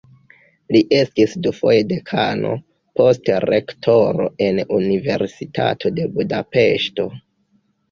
Li estis dufoje dekano, poste rektoro en Universitato de Budapeŝto.